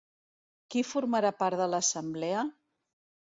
Qui formarà part de l’assemblea ?